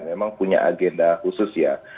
memang punya agenda khusus ya